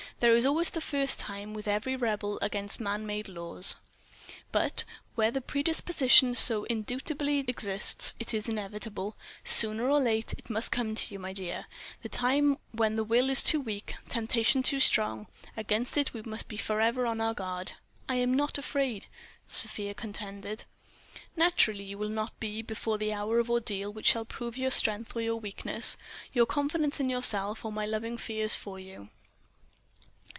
"There is always the first time with every rebel against man made laws. But, where the predisposition so indubitably exists, it is inevitable, soon or late it must come to you, my dear—the time when the will is too weak, temptation too strong. Against it we must be forever on our guard." "I am not afraid," Sofia contended. "Naturally; you will not be before the hour of ordeal which shall prove your strength or your weakness, your confidence in yourself, or my loving fears for you."